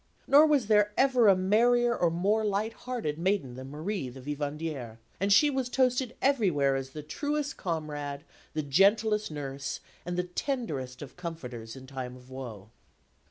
Nor was there ever a merrier or more light hearted maiden than Marie, the vivandière; and she was toasted everywhere as the truest comrade, the gentlest nurse, and the tenderest of comforters in time of woe.